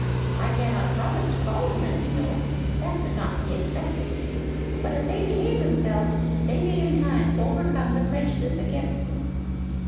I cannot promise to call on them, you know; that could not be expected. But if they behave themselves, they may in time overcome the prejudice against them."